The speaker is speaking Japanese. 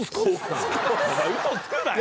お前ウソつくなよ。